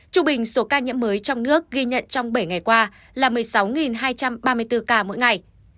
trung bình số ca nhiễm mới trong nước ghi nhận trong bảy ngày qua là một mươi sáu hai trăm ba mươi bốn ca mỗi ngày